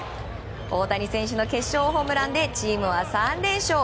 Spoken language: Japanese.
大谷選手の決勝ホームランでチームは３連勝。